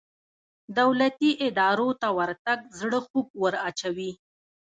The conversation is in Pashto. دولتي ادارو ته ورتګ زړه خوږ وراچوي.